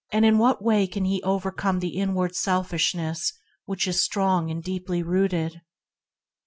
In what way can he overcome the inward selfishness which is strong, and deeply rooted